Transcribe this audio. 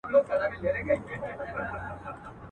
د زمانې په افسانو کي اوسېدلی چنار.